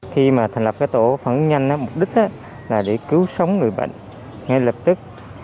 khi mà thành lập cái tổ phản nhanh mục đích là để cứu sống người bệnh ngay lập tức